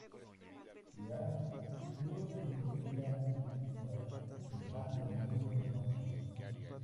Lear muere con ella en sus brazos, dejando el reino devastado.